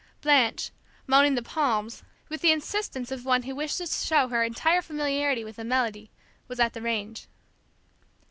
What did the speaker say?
Blanche, moaning "The Palms" with the insistence of one who wishes to show her entire familiarity with a melody, was at the range.